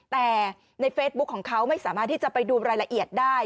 แต่ในเฟซบุ๊คของเขาไม่สามารถที่จะไปดูรายละเอียดได้